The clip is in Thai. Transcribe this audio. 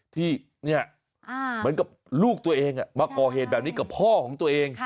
ที่เหมือนกับลูกตัวเองมาก่อเหตุแบบนี้กับพ่อของตัวเอง